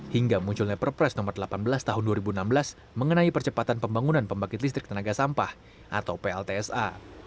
hingga munculnya perpres nomor delapan belas tahun dua ribu enam belas mengenai percepatan pembangunan pembangkit listrik tenaga sampah atau pltsa